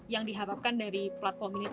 yang diharapkan dari platform ini